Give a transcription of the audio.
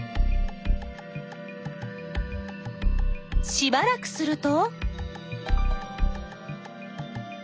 しばらくすると。